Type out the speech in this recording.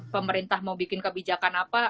pemerintah mau bikin kebijakan apa